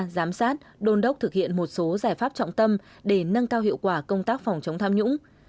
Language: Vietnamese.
giám sát đôn đốc thực hiện một số giải pháp trọng tâm để nâng cao hiệu quả công tác phòng chống tham nhũng